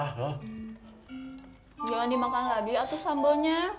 jangan dimakan lagi atuh sambonya